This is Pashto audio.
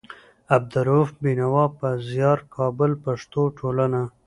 د عبدالروف بېنوا په زيار. کابل: پښتو ټولنه